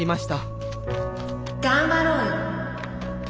頑張ろうよ。